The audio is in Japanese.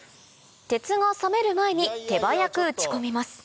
鉄が冷める前に手早く打ち込みます